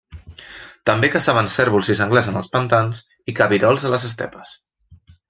També caçaven cérvols i senglars en els pantans i cabirols a les estepes.